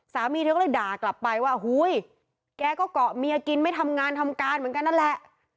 สามีเธอก็เลยด่ากลับไปว่าอุ้ยแกก็เกาะเมียกินไม่ทำงานทำการเหมือนกันนั่นแหละ